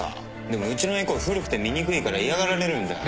でもうちのエコー古くて見にくいから嫌がられるんじゃ。